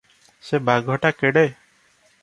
ସେ ବାଘଟା କେଡେ!